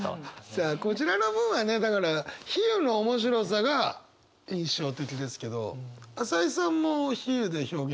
さあこちらの文はねだから比喩の面白さが印象的ですけど朝井さんも比喩で表現するの好きでしょ？